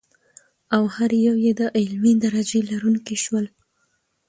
او هر یو یې د علمي درجې لرونکي شول.